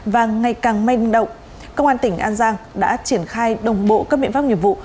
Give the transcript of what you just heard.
và ngày càng manh động công an tỉnh an giang đã triển khai đồng bộ các biện pháp nghiệp vụ